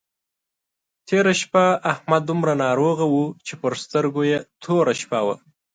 تېره شپه احمد دومره ناروغ وو چې پر سترګو يې توره شپه وه.